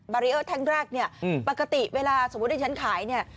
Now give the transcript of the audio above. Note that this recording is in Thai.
บารีเออร์แท่งแรกเนี่ยปกติเวลาสมมุติที่ฉันขายเนี่ย